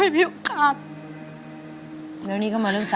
แล้วตอนนี้พี่พากลับไปในสามีออกจากโรงพยาบาลแล้วแล้วตอนนี้จะมาถ่ายรายการ